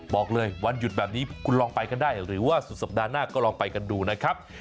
บอกเลยวันหยุดแบบนี้คุณลองไปกันได้หรือว่าสุดสัปดาห์หน้าก็ลองไปกันดูนะครับ